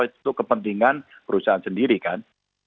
itu kepentingan perusahaan sendiri kan